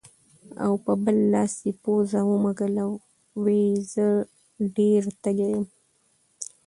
او پۀ بل لاس يې پوزه ومږله وې زۀ خو ډېر تږے يم